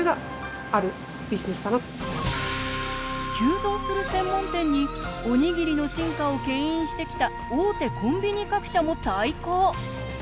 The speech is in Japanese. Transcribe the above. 急増する専門店におにぎりの進化をけん引してきた大手コンビニ各社も対抗。